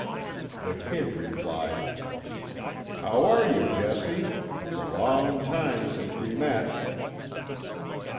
The "Kid" replied: "How are you, Jesse? It's a long time since we met."